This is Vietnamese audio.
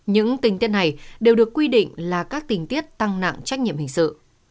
những tình tiết này đều được quy định là các tình tiết tăng nặng trách nhiệm hình sự